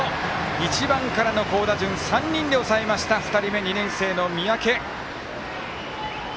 １番からの好打順３人で抑えました２人目、２年生の三宅。